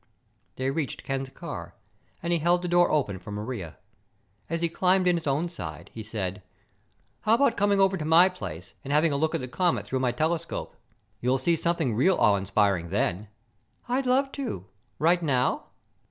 They reached Ken's car, and he held the door open for Maria. As he climbed in his own side he said, "How about coming over to my place and having a look at the comet through my telescope? You'll see something really awe inspiring then." "I'd love to. Right now?"